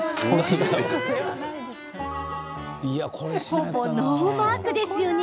ほぼノーマークですよね